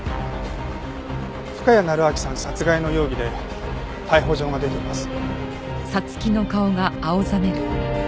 深谷成章さん殺害の容疑で逮捕状が出ています。